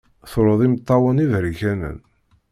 Tru-d imeṭṭawen iberkanen.